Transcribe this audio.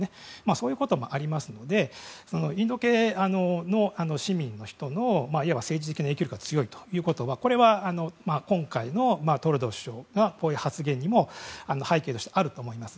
そういうこともありますのでインド系の市民の人のいわば政治的な影響力が強いということこれは今回のトルドー首相の発言にも背景としてあると思います。